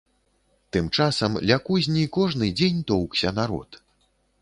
Тым часам ля кузні кожны дзень тоўкся народ.